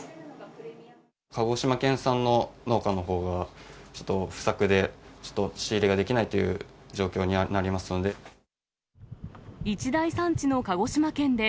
鹿児島県産の農家のほうがちょっと不作で、ちょっと仕入れができないという状況になりますので。